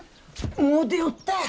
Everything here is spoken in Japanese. もう出よった。